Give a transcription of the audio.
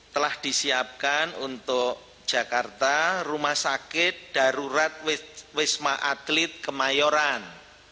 telah disiapkan untuk jakarta rumah sakit darurat wisma atlet kemayoran